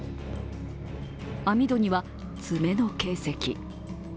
網戸には爪の形跡。